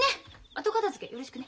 後片づけよろしくね。